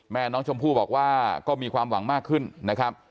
แม่น้องชมพู่บอกว่าก็มีความหวังมากขึ้นนะครับ